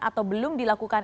atau belum dilakukan